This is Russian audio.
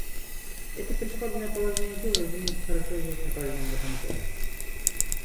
Это прискорбное положение дел, разумеется, хорошо известно каждому в этом зале.